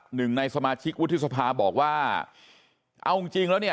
หนึ่งในสมาชิกวุฒิสภาบอกว่าเอาจริงจริงแล้วเนี่ย